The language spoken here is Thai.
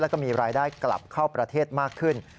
แล้วก็มีรายได้กลับเข้าประเทศมากขึ้น